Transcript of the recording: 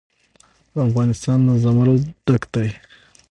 افغانستان له زمرد ډک دی.